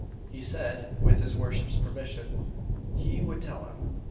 He said, with his worship's permission, he would tell him.